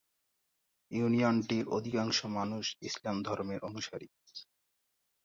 ইউনিয়নটির অধিকাংশ মানুষ ইসলাম ধর্মের অনুসারী।